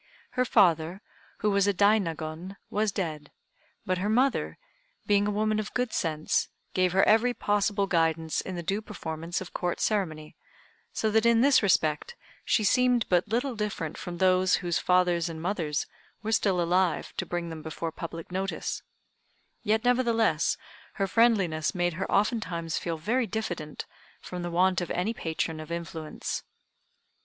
Her father, who was a Dainagon, was dead; but her mother, being a woman of good sense, gave her every possible guidance in the due performance of Court ceremony, so that in this respect she seemed but little different from those whose fathers and mothers were still alive to bring them before public notice, yet, nevertheless, her friendliness made her oftentimes feel very diffident from the want of any patron of influence.